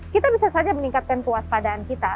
kita bisa saja meningkatkan kewaspadaan kita